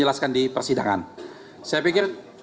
jumlah saksi berapa pak